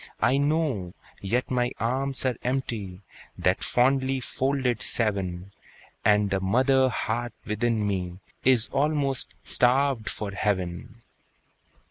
I know, yet my arms are empty, That fondly folded seven, And the mother heart within me Is almost starved for heaven.